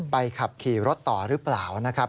ขับขี่รถต่อหรือเปล่านะครับ